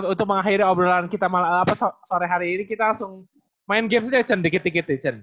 untuk mengakhiri obrolan kita malam sore hari ini kita langsung main games aja chen dikit dikit nih chen